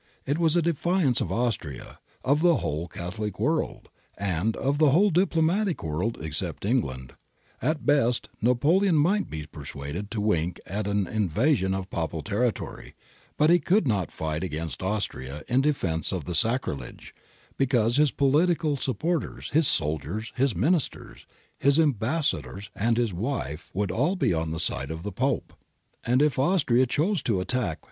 It was a defiance of Austria, of the whole Catholic world, and of the whole diplomatic world except England^T At best Napoleon might be persuaded to wink at ah invasion of Papal territory, but he could not fight against Austria in defence of the sacrilege, because his political sup porters, his soldiers, his ministers, his ambassadors and his wife, would all be on the side of the Pope. And if Austria chose to attack.